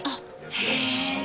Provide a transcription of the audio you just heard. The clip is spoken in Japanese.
へえ。